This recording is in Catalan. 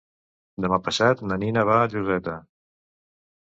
Demà passat na Nina va a Lloseta.